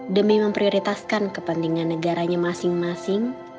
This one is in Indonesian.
demi memprioritaskan kepentingan negaranya masing masing